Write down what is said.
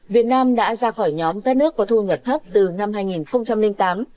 việt nam đã ra khỏi nhóm đất nước có thu nhập thấp từ năm hai nghìn tám